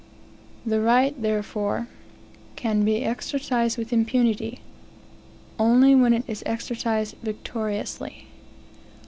The right, therefore, can be exercised with impunity, only when it is exercised victoriously.